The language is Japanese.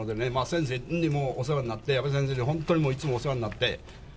先生にもお世話になって、阿部先生に本当にいつもお世話になって。